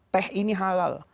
teh ini halal